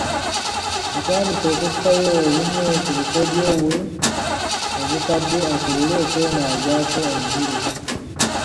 Atandise okusikayo obumu ku bukodyo bwe obukadde asobole okwenaazaako enziro